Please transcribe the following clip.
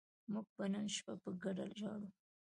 موږ به نن شپه په ګډه ژاړو